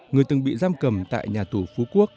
người từng bị giam cầm tại nhà tù phú quốc